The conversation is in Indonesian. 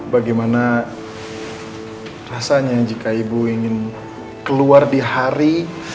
bagaimana rasanya jika ibu ingin keluar di hari